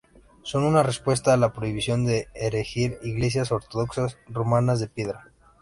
Son una respuesta a la prohibición de erigir iglesias ortodoxas rumanas de piedra.